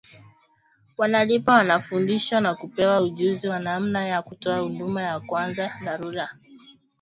Wanalipwa wanafundishwa na kupewa ujuzi wa namna ya kutoa huduma ya kwanza dharura Pascoe amesema